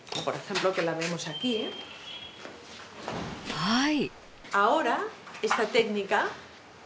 はい。